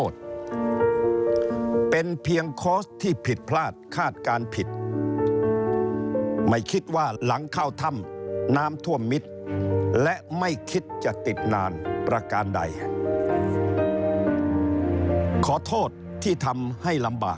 เดี๋ยวไปฟังเสียงกันหน่อยค่ะ